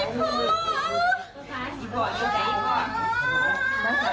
แม่ก็ชิ้นหัวตัวอิพอ